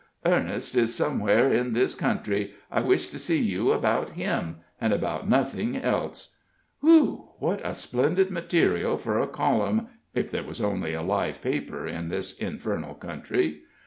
'Ernest is somewhere in this country; I wish to see you about him and about nothing else.' Whew w w! What splendid material for a column, if there was only a live paper in this infernal country!